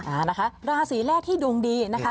อ่านะคะราศีแรกที่ดวงดีนะคะ